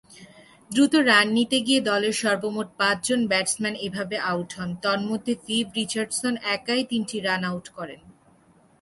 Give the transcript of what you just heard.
দ্রুত রান নিতে গিয়েই দলের সর্বমোট পাঁচজন ব্যাটসম্যান এভাবে আউট হন; তন্মধ্যে ভিভ রিচার্ডস একাই তিনটি রান আউট করেন।